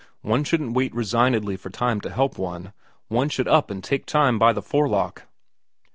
One shouldn't wait resignedly for time to help one, one should up and take time by the forelock.